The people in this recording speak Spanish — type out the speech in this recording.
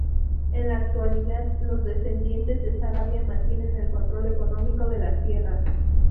En la actualidad los descendientes de Saravia mantienen el control económico de las tierras.